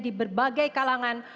di berbagai kalangan